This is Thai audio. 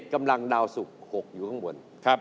กำลังดาวสุก๖อยู่ข้างบน